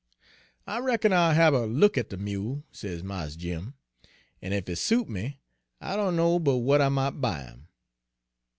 " 'I reckon I'll hab a look at de mule,' says Mars Jim, 'en ef he suit me, I dunno but w'at I mought buy 'im.'